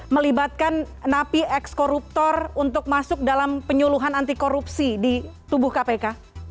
melibatkan napi eks koruptor untuk masuk dalam penyuluhan anti korupsi di tubuh kpk